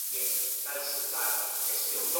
斯潘尼尔斯出生在图森。